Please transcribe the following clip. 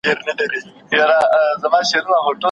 آه د لمر کجاوه څه سوه؟